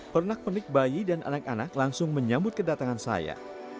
pernak pernik bayi dan anak anak langsung menyambut kedatangan saya